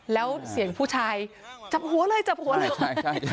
แล้วเสียงผู้ชายจับหัวเลยจับหัวเลย